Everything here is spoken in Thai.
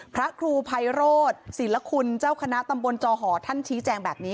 พระครูภัยโรธศิลคุณเจ้าคณะตำบลจอหอท่านชี้แจงแบบนี้